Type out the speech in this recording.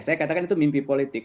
saya katakan itu mimpi politik